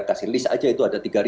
kasih list aja itu ada tiga ribu